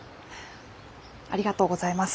ありがとうございます。